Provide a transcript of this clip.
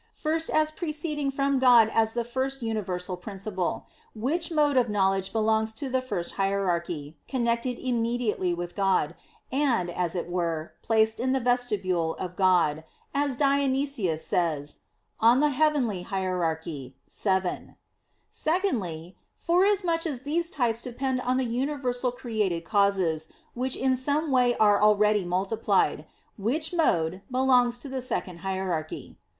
First as preceding from God as the first universal principle, which mode of knowledge belongs to the first hierarchy, connected immediately with God, and, "as it were, placed in the vestibule of God," as Dionysius says (Coel. Hier. vii). Secondly, forasmuch as these types depend on the universal created causes which in some way are already multiplied; which mode belongs to the second hierarchy.